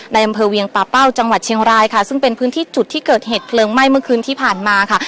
ในอำเภอเวียงป่าเป้าจังหวัดเชียงรายค่ะซึ่งเป็นพื้นที่จุดที่เกิดเหตุเพลิงไหม้เมื่อคืนที่ผ่านมาค่ะ